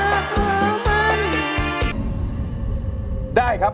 ขอเพียงคุณสามารถที่จะเอ่ยเอื้อนนะครับ